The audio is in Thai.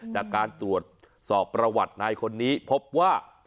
จากการตรวจสอบประวัตินายคนนี้พบว่า